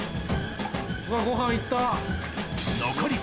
うわご飯行った。